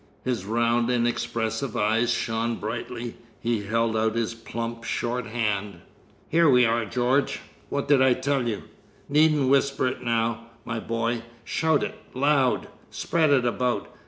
His round inexpressive eyes shone brightly. He held out his plump short hand. "Here we are, George! What did I tell you? Needn't whisper it now, my boy. Shout it—loud! spread it about!